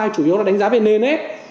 chủ yếu là đánh giá về nền ép